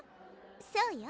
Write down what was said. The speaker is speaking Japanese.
そうよ